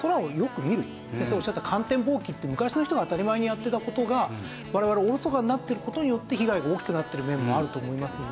先生がおっしゃった観天望気って昔の人が当たり前にやってた事が我々がおろそかになっている事によって被害が大きくなっている面もあると思いますので。